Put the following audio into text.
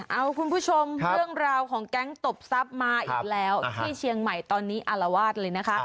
เอาคุณผู้ชมเรื่องราวของแก๊งตบทรัพย์มาอีกแล้วที่เชียงใหม่ตอนนี้อารวาสเลยนะคะ